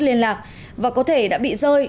liên lạc và có thể đã bị rơi